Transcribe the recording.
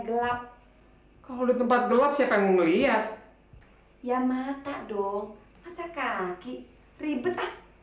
gelap kalau di tempat gelap siapa yang melihat ya mata dong masa kaki ribet